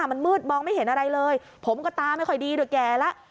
มันมืดมองไม่เห็นอะไรเลยผมก็ตาไม่ค่อยดีด้วยแก่แล้ว